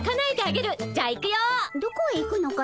どこへ行くのかの？